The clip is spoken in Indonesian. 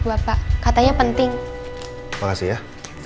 bapak mau menjelajah